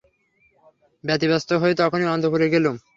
ব্যতিব্যস্ত হয়ে তখনি অন্তঃপুরে গেলুম।